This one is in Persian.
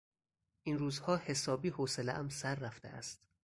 این روزها حسابی حوصلهام سر رفته است.